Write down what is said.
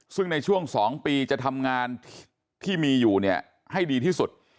ซึ่งในช่วง๒ปีจะทำงานที่มีอยู่เนี่ยให้ดีที่สุด